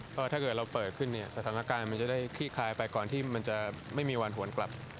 เพราะถ้าเกิดเราเปิดขึ้นเนี่ยสถานการณ์มันจะได้ขี้คายไปก่อนที่มันจะไม่มีวันหวนกลับ